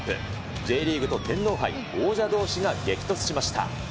Ｊリーグと天皇杯、王者どうしが激突しました。